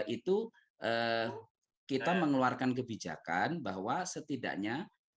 itu kita mengeluarkan kebijakan bahwa setidaknya